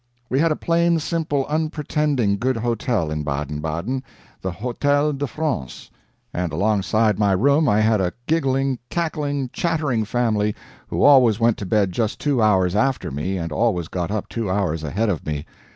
We had a plain, simple, unpretending, good hotel, in Baden Baden the Hôtel de France and alongside my room I had a giggling, cackling, chattering family who always went to bed just two hours after me and always got up two hours ahead of me.